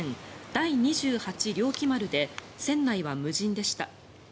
「第二十八漁紀丸」で船内は無人でした。